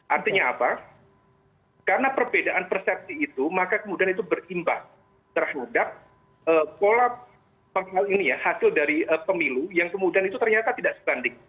artinya apa karena perbedaan persepsi itu maka kemudian itu berimbas terhadap pola hasil dari pemilu yang kemudian itu ternyata tidak sebanding